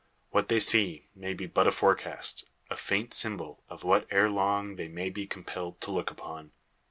What they see may be but a forecast, a faint symbol, of what ere long they may be compelled to look upon.